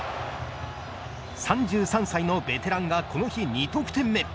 ３３歳のベテランがこの日、２得点目。